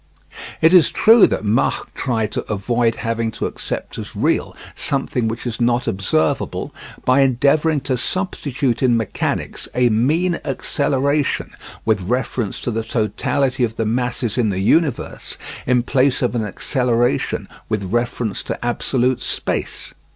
It is true that Mach tried to avoid having to accept as real something which is not observable by endeavouring to substitute in mechanics a mean acceleration with reference to the totality of the masses in the universe in place of an acceleration with reference to absolute space.